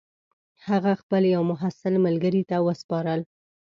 هغه خپل یوه محصل ملګري ته وسپارل.